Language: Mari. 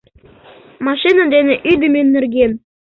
МАШИНА ДЕНЕ ӰДЫМӦ НЕРГЕН